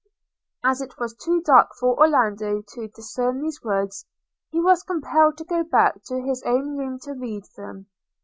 As it was too dark for Orlando to discern these words, he was compelled to go back to his own room to read them.